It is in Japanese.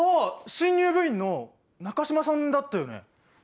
新入部員の中島さんだったよね？